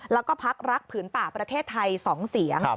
แล้วก็พักรักผืนป่าประเทศไทย๒เสียง